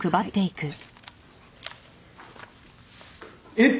えっ！